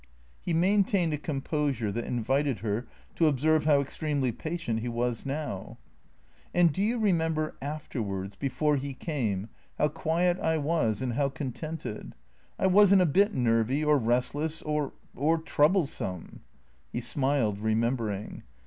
He maintained a composure that invited her to observe how extremely patient he was now. " And do you remember — afterwards — before he came — how quiet I was and how contented ? I was n't a bit nervy, or restless, or — or troublesome." He smiled, remembering.